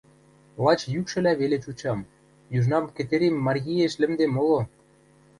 Лач йӱкшӹлӓ веле чучам, южнам Кӹтьӹрим Марйиэш лӹмдем моло.